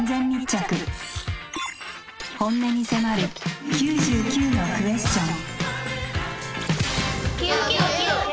本音に迫る９９のクエスチョン。